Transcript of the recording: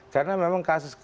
karena memang kasus